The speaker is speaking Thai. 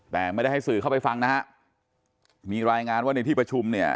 แต่ไม่ได้ให้สื่อเข้าไปฟังนะฮะมีรายงานว่าในที่ประชุมเนี่ย